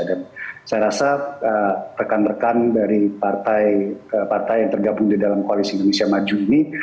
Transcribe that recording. dan saya rasa rekan rekan dari partai partai yang tergabung di dalam koalisi indonesia maju ini